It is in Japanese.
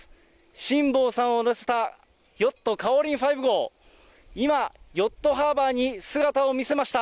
辛坊さんを乗せたヨット、カオリンファイブ号、今、ヨットハーバーに姿を見せました。